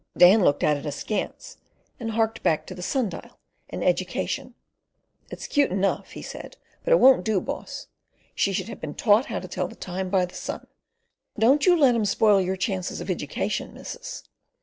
Dan looked at it askance, and harked back to the sundial and education. "It's 'cute enough," he said. "But it won't do, boss. She should have been taught how to tell the time by the sun. Don't you let 'em spoil your chances of education, missus.